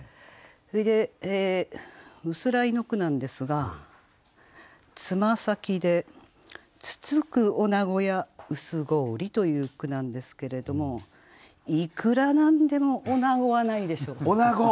それで「薄氷」の句なんですが「つま先で突く女子や薄氷」という句なんですけれどもいくら何でも「おなご」はないでしょう。